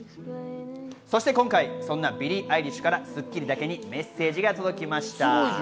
そして今回、そんなビリー・アイリッシュから『スッキリ』だけにメッセージが届きました。